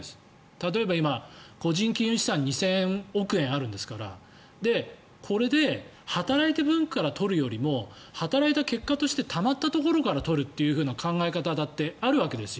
例えば今、個人金融資産２０００億円あるんですからこれで働いた分から取るよりも働いた結果としてたまったところから取るという考え方だってあるわけです。